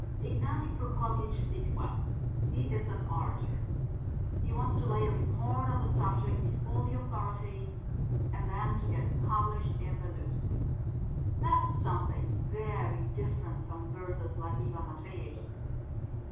Ignaty Prokofyitch speaks well. He is an orator. He wants to lay a report on the subject before the authorities, and then to get it published in the News. That's something very different from verses like Ivan Matveitch's...."